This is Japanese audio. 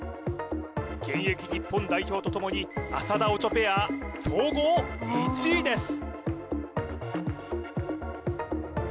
現役日本代表と共に浅田・オチョペア総合１位です